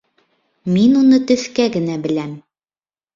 Мин уны төҫкә генә беләм